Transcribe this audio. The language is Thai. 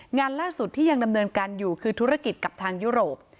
งานล่าสุดที่ยังดำเนินการอยู่คือธุรกิจกับทางยุโรป